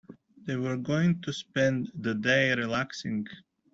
They were going to spend the day relaxing.